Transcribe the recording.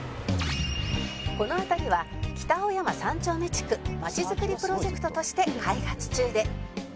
この辺りは北青山三丁目地区まちづくりプロジェクトとして開発中で